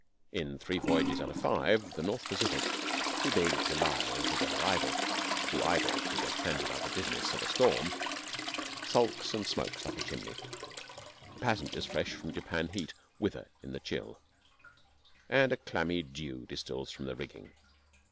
In three voyages out of five, the North Pacific, too big to lie altogether idle, too idle to get hands about the business of a storm, sulks and smokes like a chimney; the passengers fresh from Japan heat wither in the chill, and a clammy dew distils from the rigging.